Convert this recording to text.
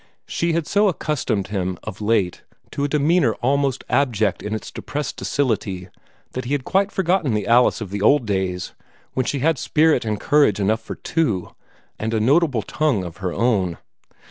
She had so accustomed him, of late, to a demeanor almost abject in its depressed docility that he had quite forgotten the Alice of the old days, when she had spirit and courage enough for two, and a notable tongue of her own.